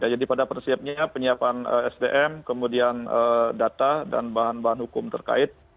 jadi pada persiapnya penyiapan sdm kemudian data dan bahan bahan hukum terkait